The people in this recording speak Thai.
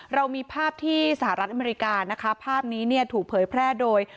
เรามีภาพที่สหรัฐอเมริกาภาพนี้ถูกเผยแพร่โดย